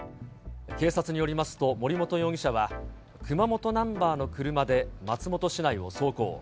警察によりますと、森本容疑者は熊本ナンバーの車で松本市内を走行。